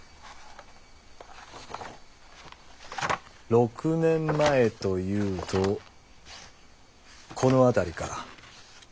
６年前というとこの辺りか。